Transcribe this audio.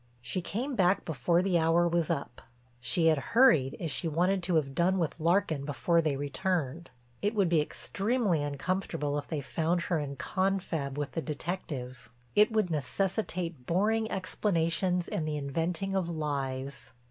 She came back before the hour was up. She had hurried as she wanted to have done with Larkin before they returned. It would be extremely uncomfortable if they found her in confab with the detective; it would necessitate boring explanations and the inventing of lies.